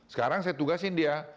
sekarang saya tugasin dia